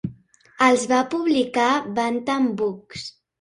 Els va publicar Bantam Books.